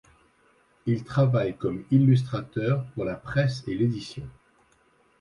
Il travaille comme illustrateur pour la presse et l'édition.